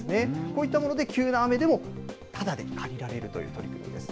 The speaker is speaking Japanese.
こういったもので急な雨でもただで借りられるということです。